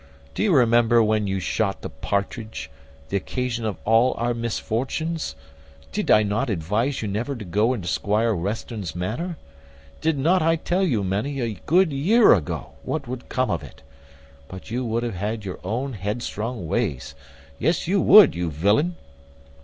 Do you remember when you shot the partridge, the occasion of all our misfortunes? Did not I advise you never to go into Squire Western's manor? Did not I tell you many a good year ago what would come of it? But you would have your own headstrong ways; yes, you would, you villain."